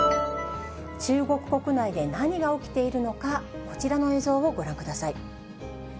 中国国内で何が起きているのか、こちらの映像をご覧ください。